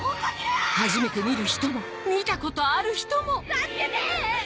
初めて見る人も見たことある人も助けて！